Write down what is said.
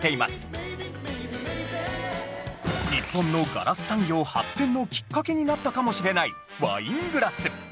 日本のガラス産業発展のきっかけになったかもしれないワイングラス